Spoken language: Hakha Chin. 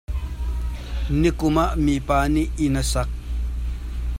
Nikum ah mipa nih inn a sak.